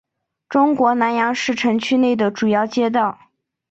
中国南阳市城区内的主要街道。